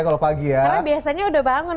kalau pagi ya karena biasanya udah bangun